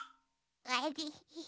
あれ？